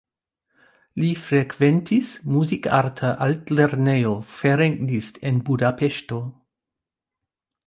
Li frekventis Muzikarta Altlernejo Ferenc Liszt en Budapeŝto.